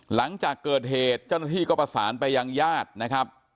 หลังจากเกิดเหตุเจ้าหน้าที่ก็ประสานไปยังญาตินะครับ